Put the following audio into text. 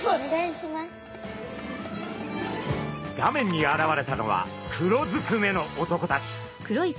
画面に現れたのは黒ずくめの男たち。